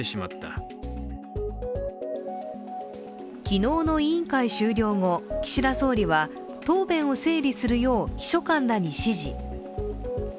昨日の委員会終了後、岸田総理は答弁を整理するよう秘書官らに指示。